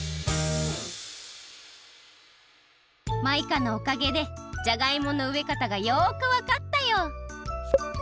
「」「」マイカのおかげでじゃがいものうえかたがよくわかったよ。